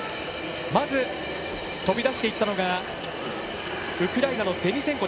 まず、飛び出していったのがウクライナのデニセンコ。